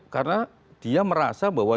karena dia merasa bahwa